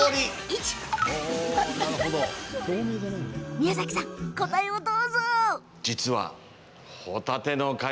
宮崎さん答えをどうぞ。